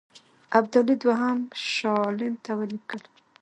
ابدالي دوهم شاه عالم ته ولیکل.